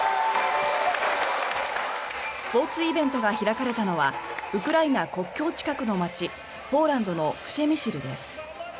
スポーツイベントが開かれたのはウクライナ国境近くの街ポーランドのプシェミシルです。